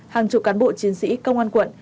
hàng chục cán bộ chiến sĩ công an quận